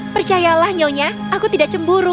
percayalah nyonya aku tidak cemburu